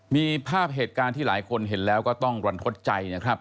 มีภาพเหตุการณ์ที่หลายคนเห็นแล้วก็ต้องรันทดใจนะครับ